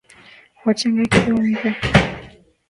wachanga kiumri